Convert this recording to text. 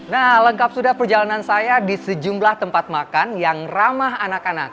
nah lengkap sudah perjalanan saya di sejumlah tempat makan yang ramah anak anak